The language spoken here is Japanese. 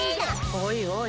おいおい。